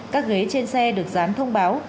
các ghế trên xe được dán thông báo